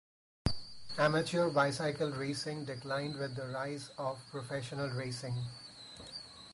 Amateur bicycle racing declined with the rise of professional racing.